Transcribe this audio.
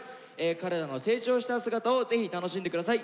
彼らの成長した姿をぜひ楽しんでください。